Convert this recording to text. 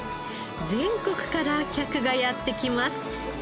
全国から客がやって来ます。